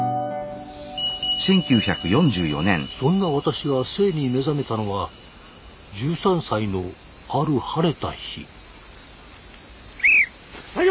そんな私が性に目覚めたのは１３歳のある晴れた日。